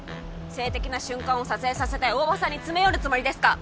性的な瞬間を撮影させて大庭さんに詰め寄るつもりですか